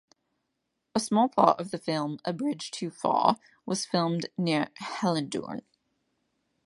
A small part of the film "A Bridge Too Far" was filmed near Hellendoorn.